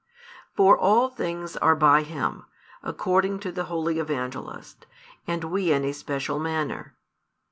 For all things are by Him, according to the Holy Evangelist, and we in a special manner.